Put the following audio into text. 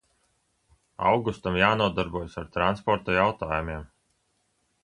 Augustam jānodarbojas ar transporta jautājumiem.